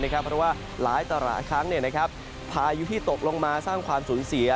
เพราะว่าหลายต่อหลายครั้งพายุที่ตกลงมาสร้างความสูญเสีย